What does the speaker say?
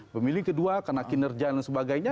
pemilih kedua karena kinerja dan sebagainya